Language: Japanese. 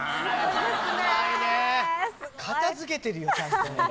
片付けてるよちゃんと。